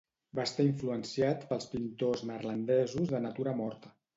Va estar influenciat pels pintors neerlandesos de natura morta.